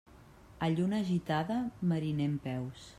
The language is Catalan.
A lluna gitada, mariner en peus.